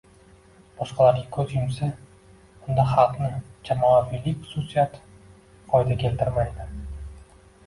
boshqalarga «ko‘z yumsa», unda xalqning jamoaviylik xususiyati foyda keltirmaydi.